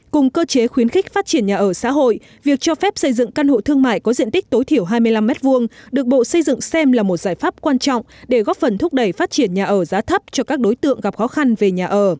cùng cơ chế khuyến khích phát triển nhà ở xã hội việc cho phép xây dựng căn hộ thương mại có diện tích tối thiểu hai mươi năm m hai được bộ xây dựng xem là một giải pháp quan trọng để góp phần thúc đẩy phát triển nhà ở giá thấp cho các đối tượng gặp khó khăn về nhà ở